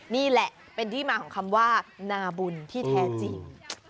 นี่แหละเป็นที่มาของคำว่านาบุญที่แท้จริง